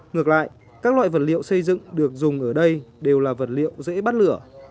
ngược lại các loại vật liệu xây dựng được dùng ở đây đều là vật liệu dễ bắt lửa